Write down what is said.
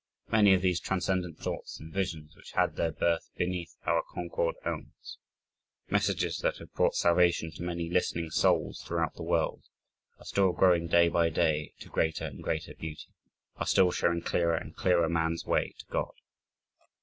Many of those "Transcendent Thoughts" and "Visions" which had their birth beneath our Concord elms messages that have brought salvation to many listening souls throughout the world are still growing, day by day, to greater and greater beauty are still showing clearer and clearer man's way to God!